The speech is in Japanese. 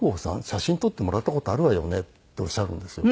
写真撮ってもらった事あるわよね？」っておっしゃるんですよ。